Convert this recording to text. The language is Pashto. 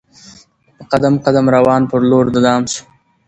په قدم قدم روان پر لور د دام سو